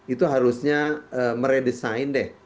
itu harusnya meredesain deh